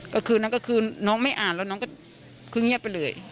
ก็คือนั้นก็คือน้องไม่อ่านแล้วน้องก็คือเงียบไปเลย